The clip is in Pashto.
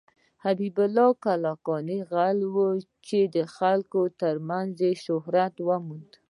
حبيب الله کلکاني يو غل وه ،چې د خلکو تر منځ يې شهرت وموند.